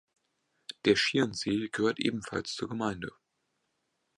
Der Schierensee gehört ebenfalls zur Gemeinde.